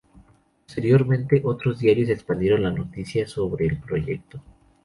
Posteriormente, otros diarios expandieron la noticia sobre el proyecto.